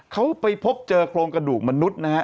เขาไปพบเจอโครงกระดูกมนุษย์นะฮะ